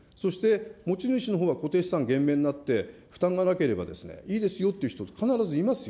持ち主のほうは固定資産減免になって、負担がなければですね、いいですよって言う人、必ずいますよ。